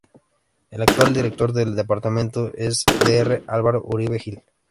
El actual director del departamento es el Dr. Álvaro Uribe Gil.